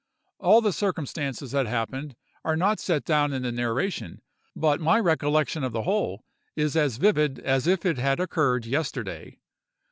All the circumstances that happened are not set down in the narration; but my recollection of the whole is as vivid as if it had occurred yesterday.